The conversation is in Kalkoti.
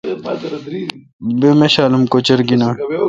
بہ میشالم کوچر گینان۔